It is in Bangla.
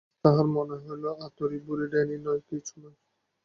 আজ তাহার মনে হইল আতুরী বুড়ি ডাইনি নয়, কিছু নয়।